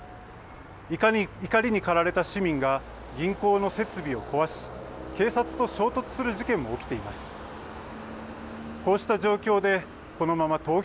怒りに駆られた市民が銀行の設備を壊し警察と衝突する事件も起きています。